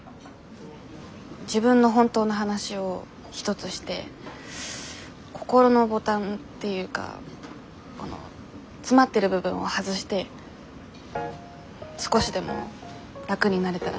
自分の本当の話を一つして心のボタンっていうかこの詰まってる部分を外して少しでも楽になれたらなって。